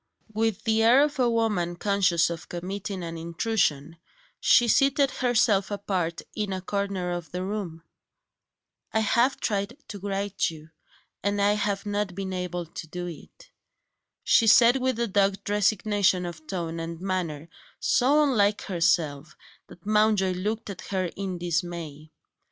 With the air of a woman conscious of committing an intrusion, she seated herself apart in a corner of the room. "I have tried to write to you, and I have not been able to do it." She said that with a dogged resignation of tone and manner, so unlike herself that Mountjoy looked at her in dismay.